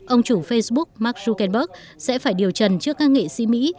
ông chủ facebook mark zuckenberg sẽ phải điều trần trước các nghệ sĩ mỹ